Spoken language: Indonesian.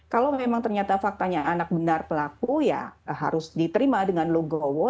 kalau memang ternyata faktanya anak benar pelaku ya harus diterima dengan logowo